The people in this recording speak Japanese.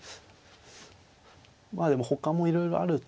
まあでもほかもいろいろあるとは思いますね。